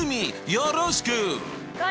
よろしく！